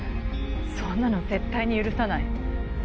そんなの絶対に許さない。